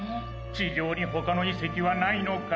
ちじょうにほかのいせきはないのか？